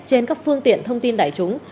trên các phương tiện thông tin đại chúng